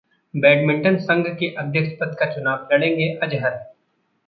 badminton संघ के अध्यक्ष पद का चुनाव लड़ेंगे अजहर